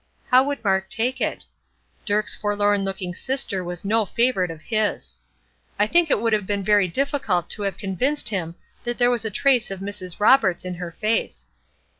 How would Mark take it? Dirk's forlorn looking sister was no favorite of his. I think it would have been very difficult to have convinced him that there was a trace of Mrs. Roberts in her face.